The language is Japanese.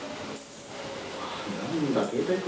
あなんだ携帯か。